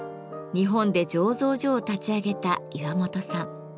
日本で醸造所を立ち上げた岩本さん。